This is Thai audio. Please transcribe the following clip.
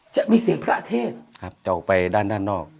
ราคาบลักษณะนอก